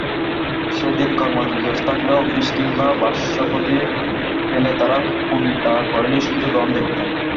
সেদিন কর্মদিবস থাকলেও অফিস কিংবা ব্যবসাপাতি ফেলে তারা কুণ্ঠা করেনি সূর্যগ্রহণ দেখতে।